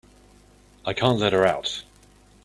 I can't let her out.